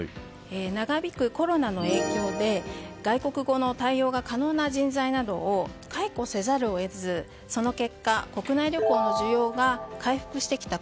長引くコロナの影響で外国語の対応が可能な人材などを解雇せざるを得ずその結果、国内旅行の需要が回復してきた